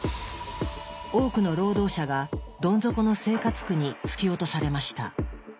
多くの労働者がどん底の生活苦に突き落とされました。